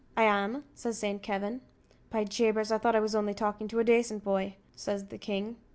"I am," says Saint Kavin. "By Jabers, I thought I was only talking to a dacent boy," says the king.